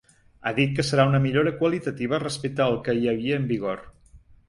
Ha dit que serà una millora qualitativa respecte al que hi havia en vigor.